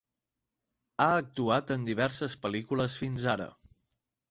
Ha actuat en diverses pel·lícules fins ara.